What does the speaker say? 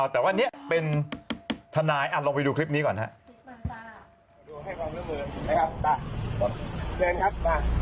แต่ว่าเนี่ยเป็นทนายลองไปดูคลิปนี้ก่อนครับ